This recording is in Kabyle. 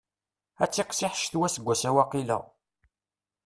Ad tiqsiḥ ccetwa aseggas-a waqila.